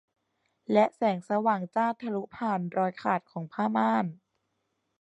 และแสงสว่างจ้าทะลุผ่านรอยขาดของผ้าม่าน